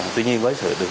tuy nhiên với sự